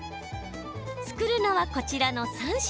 作るのはこちらの３品。